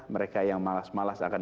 mereka yang malas malas akan